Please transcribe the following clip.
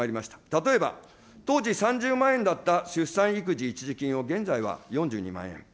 例えば、当時３０万円だった出産育児一時金を現在は４２万円。